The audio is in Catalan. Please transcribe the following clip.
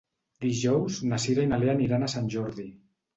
Dijous na Cira i na Lea aniran a Sant Jordi.